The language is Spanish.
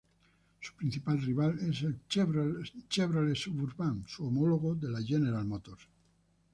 Su principal rival es el Chevrolet Suburban, su homólogo de la General Motors.